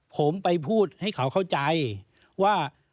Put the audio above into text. ผมไปพูดให้เขาเข้าใจว่า